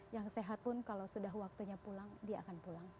yang sehat pun kalau sudah waktunya pulang dia akan pulang